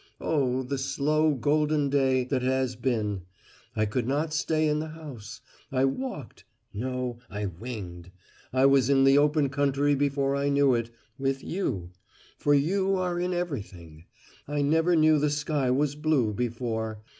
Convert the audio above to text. Oh, the slow, golden day that this has been! I could not stay in the house I walked no, I winged! I was in the open country before I knew it with You! For You are in everything. I never knew the sky was blue, before.